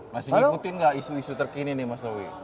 masih ngikutin gak isu isu terkini nih mas owi